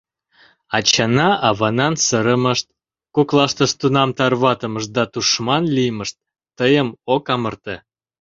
Ачана-аванан сырымышт, коклаштышт тумам тарватымышт да тушман лиймышт тыйым ок амырте.